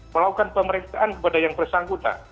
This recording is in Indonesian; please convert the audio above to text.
melakukan pemeriksaan kepada yang bersangkutan